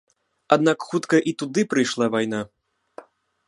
Аднак хутка і туды прыйшла вайна.